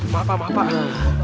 maaf pak maaf pak